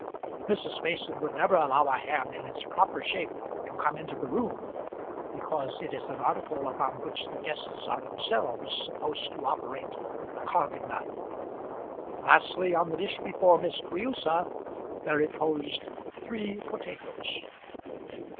Mrs. Mason would never allow a ham in its proper shape to come into the room, because it is an article upon which the guests are themselves supposed to operate with the carving knife. Lastly, on the dish before Miss Creusa there reposed three potatoes.